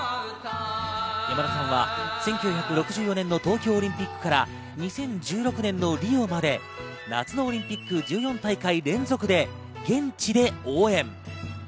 山田さんは１９６４年の東京オリンピックから２０１６年のリオまで夏のオリンピック１４大会連続で現地で応援。